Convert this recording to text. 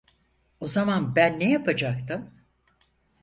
O zaman ben ne yapacaktım?